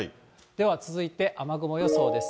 では続いて、雨雲予想です。